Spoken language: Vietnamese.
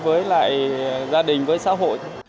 với gia đình với xã hội